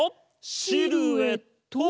シルエット！